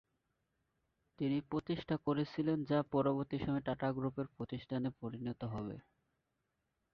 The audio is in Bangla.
তিনি প্রতিষ্ঠা করেছিলেন যা পরবর্তী সময়ে টাটা গ্রুপের প্রতিষ্ঠানে পরিণত হবে।